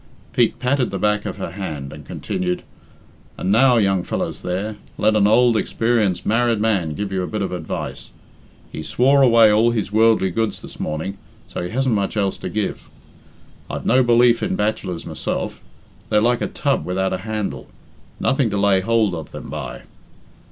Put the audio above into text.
Pete patted the back of her hand, and continued, "And now, young fellows there, let an ould experienced married man give you a bit of advice he swore away all his worldly goods this morning, so he hasn't much else to give. I've no belief in bachelors myself. They're like a tub without a handle nothing to lay hould of them by."